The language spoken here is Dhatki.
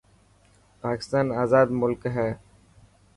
پاڪستان آزاد ملڪ هي.